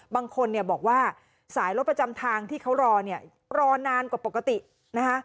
บางคนบอกว่าสายลดประจำทางที่เขารอรอนานกว่าปกตินะคะ